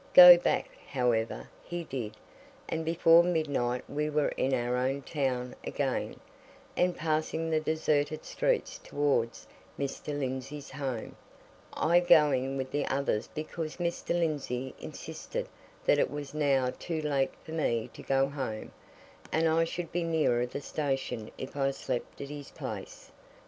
Go back, however, he did; and before midnight we were in our own town again, and passing the deserted streets towards Mr. Lindsey's home, I going with the others because Mr. Lindsey insisted that it was now too late for me to go home, and I should be nearer the station if I slept at his place.